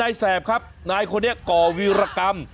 แสบครับนายคนนี้ก่อวีรกรรม